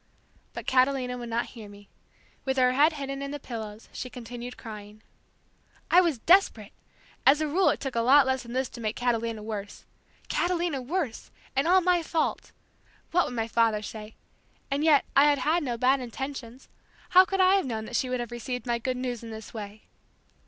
But Catalina would not hear me. With her head hidden in the pillows, she continued crying. I was desperate! As a rule it took a lot less than this to make Catalina worse. Catalina worse! And all my fault! What would my father say! And yet I had had no bad intentions. How could I have known that she would have received my good news in this way?